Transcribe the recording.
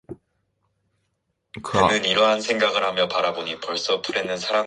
그 아우의 이름은 유발이니 그는 수금과 퉁소를 잡는 모든 자의 조상이 되었으며